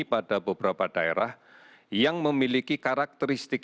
pada beberapa daerah yang memiliki karakteristik